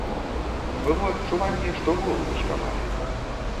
Было адчуванне, што гол выспявае.